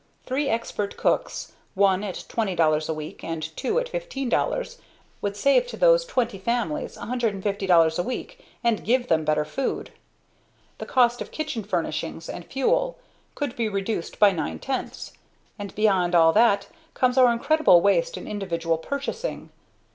"Three expert cooks, one at $20 a week and two at $15 would save to those twenty families $150 a week and give them better food. The cost of kitchen furnishings and fuel, could be reduced by nine tenths; and beyond all that comes our incredible waste in individual purchasing.